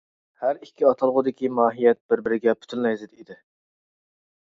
ھەر ئىككى ئاتالغۇدىكى ماھىيەت بىر بىرىگە پۈتۈنلەي زىت ئىدى.